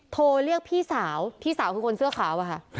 โทรเรียกพี่สาวพี่สาวคือคนเสื้อขาวอะค่ะ